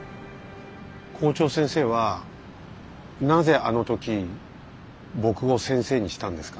校長先生はなぜあの時僕を先生にしたんですか？